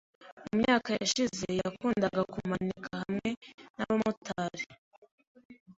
Mu myaka yashize, yakundaga kumanika hamwe nabamotari.